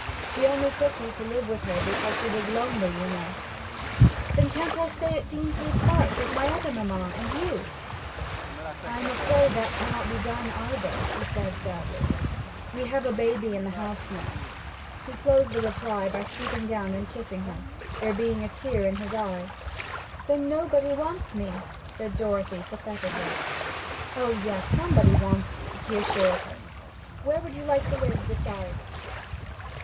She only took you to live with her because she was lonely, you know.' 'Then can't I stay at Deansleigh Park with my other mamma and you?' 'I am afraid that cannot be done either,' said he sadly. 'We have a baby in the house now.' He closed the reply by stooping down and kissing her, there being a tear in his eye. 'Then nobody wants me!' said Dorothy pathetically. 'Oh yes, somebody wants you,' he assured her. 'Where would you like to live besides?'